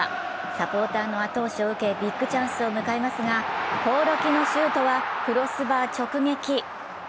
サポーターの後押しを受け、ビッグチャンスを迎えますが興梠のシュートはクロスバー直撃。